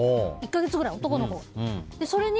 １か月ぐらい、男の子が。